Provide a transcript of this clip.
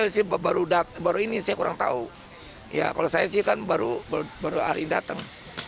saya baru ini saya kurang tahu ya kalau saya sih kan baru hari datang